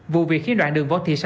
vụ việc khiến đoạn đường võ thị sáu